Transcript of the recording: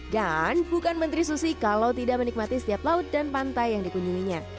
dan bukan menteri susi kalau tidak menikmati setiap laut dan pantai yang dikunjunginya